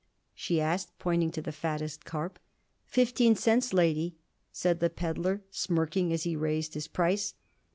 she asked pointing to the fattest carp. "Fifteen cents, lady," said the peddler, smirking as he raised his price.